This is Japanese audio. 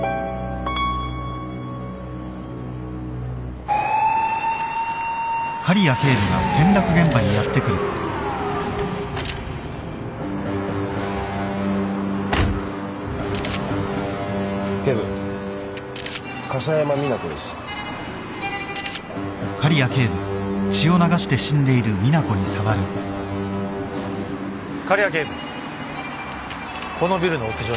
このビルの屋上にこれが。